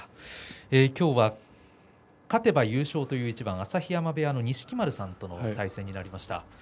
きょうは勝てば優勝という一番朝日山部屋の錦丸さんとの対戦になりました。